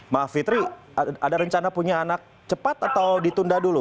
mbak fitri ada rencana punya anak cepat atau ditunda dulu